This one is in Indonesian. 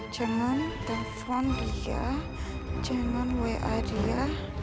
jangan telepon dia jangan wa dia